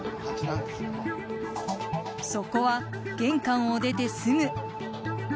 そこは玄関を出てすぐ。